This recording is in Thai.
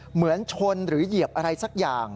เหมือนชนหรือเหยียบอะไรสักอย่าง